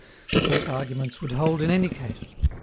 Both arguments would hold in any case.